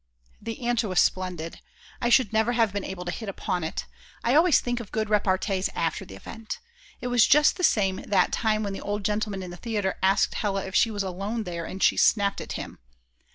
The answer was splendid; I should never have been able to hit upon it; I always think of good repartees after the event. It was just the same that time when the old gentleman in the theatre asked Hella if she was alone there, and she snapped at him.